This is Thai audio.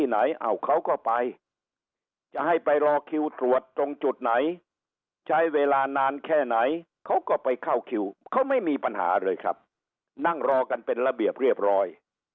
ไหนเขาก็ไปจะให้ไปรอคิวตรวจตรงจุดไหนใช้เวลานานแค่ไหนเขาก็ไปเข้าคิวเขาไม่มีปัญหาเลยครับนั่งรอกันเป็นระเบียบเรียบร้อย